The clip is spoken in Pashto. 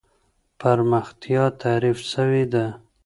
پرمختيا تعريف سوې ده.